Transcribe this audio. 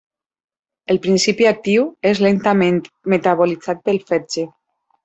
El principi actiu és lentament metabolitzat pel fetge.